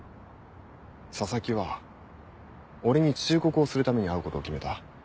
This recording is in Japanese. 佐々木は俺に忠告をするために会うことを決めた。